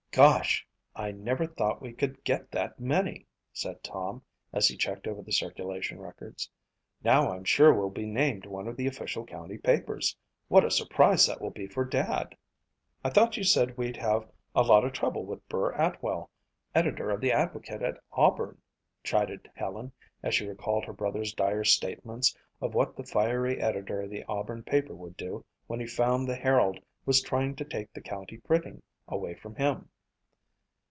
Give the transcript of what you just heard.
"Gosh, I never thought we could get that many," said Tom as he checked over the circulation records. "Now I'm sure we'll be named one of the official county papers. What a surprise that will be for Dad." "I thought you said we'd have a lot of trouble with Burr Atwell, editor of the Advocate at Auburn," chided Helen as she recalled her brother's dire statements of what the fiery editor of the Auburn paper would do when he found the Herald was trying to take the county printing away from him.